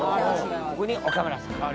ここに岡村さん